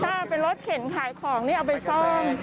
ถ้าเป็นรถเข็นขายของนี่เอาไปซ่อม